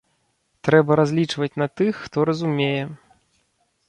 Трэба разлічваць на тых, хто разумее.